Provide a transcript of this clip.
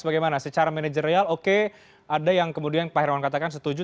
bagaimana secara manajerial oke ada yang kemudian pak hermawan katakan setuju